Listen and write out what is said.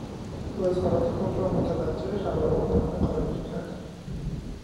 او اظهارات خود را متوجه خبرنگاران خارجی کرد.